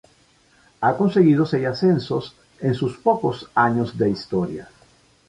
Ha conseguido seis ascensos en sus pocos años de historia.